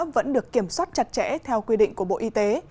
vẫn được kiểm soát chặt chẽ theo quy định của bộ y tế